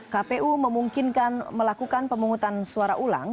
kpu memungkinkan melakukan pemungutan suara ulang